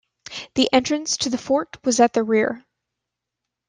The entrance to the fort was at the rear.